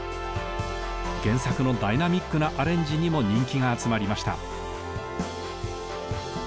原作のダイナミックなアレンジにも人気が集まりました。